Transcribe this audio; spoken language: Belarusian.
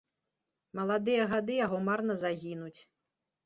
Маладыя гады яго марна загінуць.